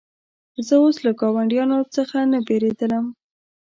زه اوس له ګاونډیانو څخه نه بېرېدلم.